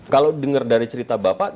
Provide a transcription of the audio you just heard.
kalau dengar dari cerita bapak